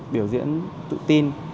biểu diễn tự tin